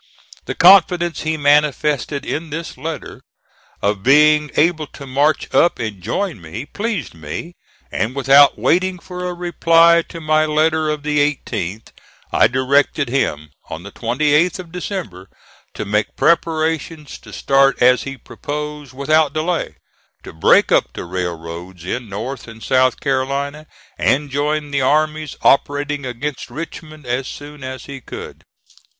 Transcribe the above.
The confidence he manifested in this letter of being able to march up and join me pleased me, and, without waiting for a reply to my letter of the 18th, I directed him, on the 28th of December, to make preparations to start as he proposed, without delay, to break up the railroads in North and South Carolina, and join the armies operating against Richmond as soon as he could.